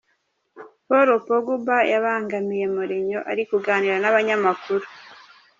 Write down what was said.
Paul Pogba yabangamiye Mourinho ari kuganira n’abanyamakuru.